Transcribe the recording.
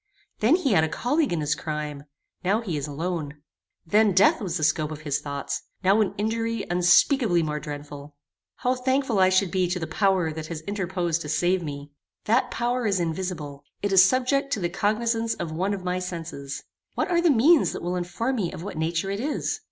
Then he had a colleague in his crime; now he is alone. Then death was the scope of his thoughts; now an injury unspeakably more dreadful. How thankful should I be to the power that has interposed to save me! That power is invisible. It is subject to the cognizance of one of my senses. What are the means that will inform me of what nature it is?